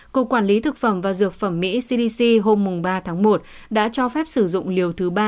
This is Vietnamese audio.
cục quản lý thực phẩm và dược phẩm mỹ cdc hôm ba tháng một đã cho phép sử dụng liều thứ ba